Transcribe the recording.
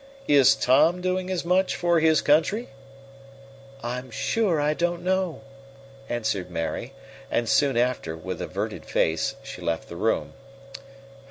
Is Tom doing as much for his country?" "I'm sure I don't know," answered Mary; and soon after, with averted face, she left the room.